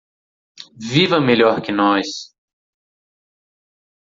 Viva melhor que nós